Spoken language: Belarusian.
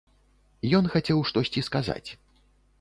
Ён хацеў штосьці сказаць.